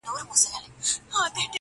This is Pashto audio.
په ځنګله ننوتلی وو بېغمه -